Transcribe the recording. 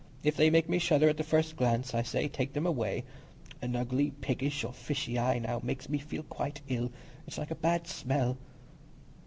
If they make me shudder at the first glance, I say, take them away. An ugly, piggish, or fishy eye, now, makes me feel quite ill; it's like a bad smell."